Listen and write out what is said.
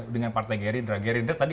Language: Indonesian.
dengan partai gerindra gerindra tadi